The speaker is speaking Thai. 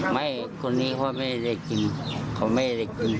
ไม่คนนี้เขาไม่ได้กินเขาไม่ได้กิน